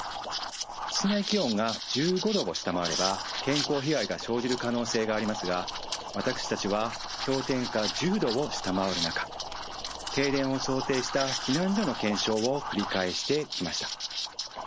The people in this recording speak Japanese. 室内気温が１５度を下回れば健康被害が生じる可能性がありますが私たちは氷点下１０度を下回る中停電を想定した避難所の検証を繰り返してきました。